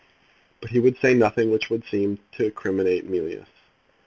But he would say nothing which would seem to criminate Mealyus.